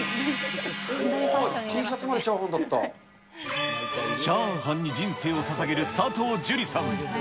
Ｔシャツまでチャーハンだっチャーハンに人生をささげる佐藤樹里さん。